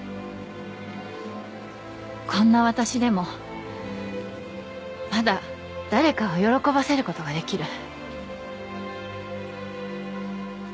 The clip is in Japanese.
こんな私でもまだ誰かを喜ばせることができる。